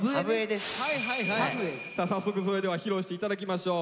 さあ早速それでは披露して頂きましょう。